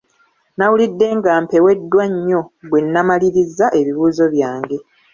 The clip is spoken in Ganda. Nawulidde nga mpeweddwa nnyo bwe nnamalirizza ebibuuzo byange .